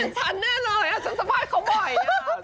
ก็เป็นฉันน่ะเลยอะฉันสนใจกับเค้าบ่อยอะ